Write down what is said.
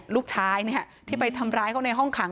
ลูกชายที่ไปทำร้ายเขาในห้องขัง